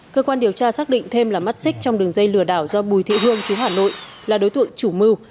cơ quan điều tra xác định thêm là mắt xích trong đường dây lừa đảo do bùi thị hương chú hà nội là đối tượng chủ mưu